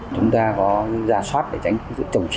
chúng ta có những giá soát để tránh trồng chéo